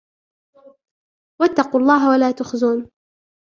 واتقوا الله ولا تخزون